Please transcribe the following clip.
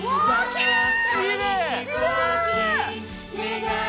きれい！